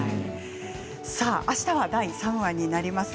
あしたは第３話になります。